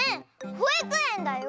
「ほいくえん」だよ。